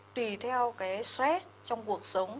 tùy theo cái stress trong cuộc sống